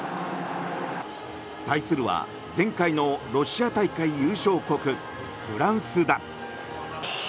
対するは前回のロシア大会優勝国フランスだ。